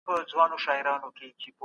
علم د تېرو تجربو پر بنسټ راتلونکی سنجوي.